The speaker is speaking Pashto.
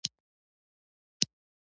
د شانګهای د غړیو هیوادو د چارواکو